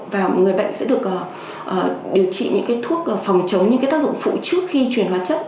và người bệnh sẽ được điều trị những cái thuốc phòng chống những tác dụng phụ trước khi truyền hóa chất